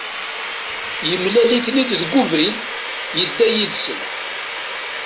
Yemlal-iten-id deg ubrid, yedda yid-sen.